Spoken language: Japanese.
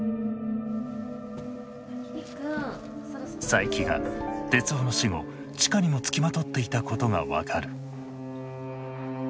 佐伯が徹生の死後千佳にもつきまとっていたことが分かる。